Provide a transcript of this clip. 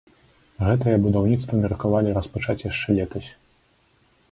Гэтае будаўніцтва меркавалі распачаць яшчэ летась.